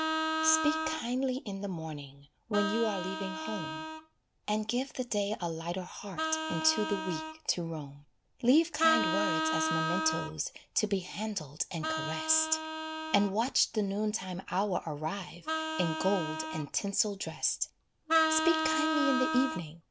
Speak kindly in the morning, When you are leaving home, And give the day a lighter heart Into the week to roam. Leave kind words as mementoes To be handled and caressed, And watch the noon time hour arrive In gold and tinsel dressed. Speak kindly in the evening!